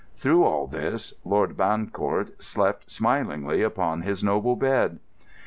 Through all this Lord Bancourt slept smilingly upon his noble bed.